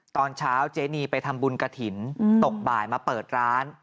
ตอนเช้าเจนีไปทำบุญกระถิ่นตกบ่ายมาเปิดร้าน